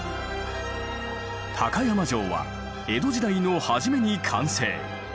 高山城は江戸時代の初めに完成。